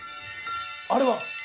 あれは？